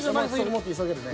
もっと急げるね。